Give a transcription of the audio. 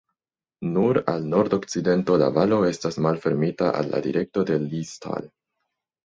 Nur al nordokcidento la valo estas malfermita al la direkto de Liestal.